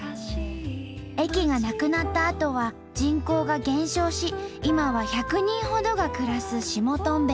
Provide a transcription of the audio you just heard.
駅がなくなったあとは人口が減少し今は１００人ほどが暮らす下頓別。